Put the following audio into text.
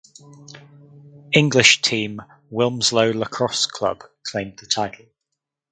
English team Wilmslow Lacrosse Club claimed the title.